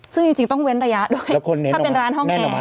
ซึ่งจริงต้องเว้นระยะด้วยถ้าเป็นร้านห้องแอร์